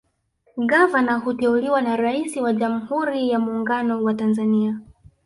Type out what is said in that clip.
Gavana huteuliwa na Rais wa Jamhuri ya Mungano wa Tanzania